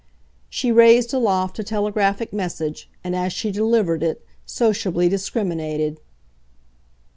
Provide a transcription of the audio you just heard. She raised aloft a telegraphic message and, as she delivered it, sociably discriminated.